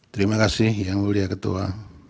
terima kasih yang mulia ketua